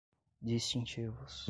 distintivos